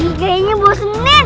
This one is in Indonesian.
ini kayanya bos meneh